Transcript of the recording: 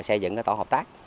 xây dựng cái tổ hợp tác